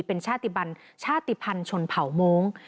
เป็นชาติภัณฑ์ชนเผาโม้ง